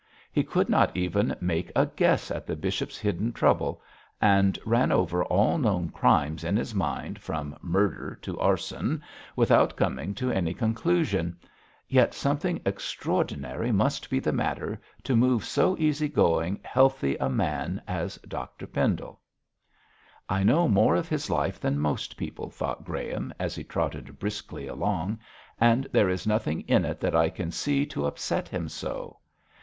He could not even make a guess at the bishop's hidden trouble, and ran over all known crimes in his mind, from murder to arson, without coming to any conclusion. Yet something extraordinary must be the matter to move so easy going, healthy a man as Dr Pendle. 'I know more of his life than most people,' thought Graham, as he trotted briskly along, 'and there is nothing in it that I can see to upset him so.